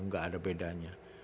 gak ada bedanya